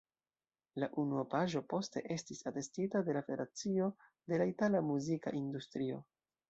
La unuopaĵo poste estis atestita de la Federacio de la Itala Muzika Industrio.